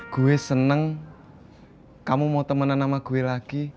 gue seneng kamu mau temenan nama gue lagi